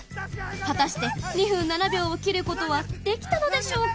果たして２分７秒を切ることはできたのでしょうか？